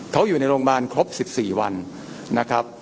เขาอยู่ในโรงพยาบาลครบ๑๔วันนะครับ